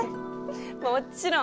もっちろん！